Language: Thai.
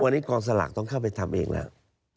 วันนี้กองสลากต้องเข้าไปทำเองแล้ว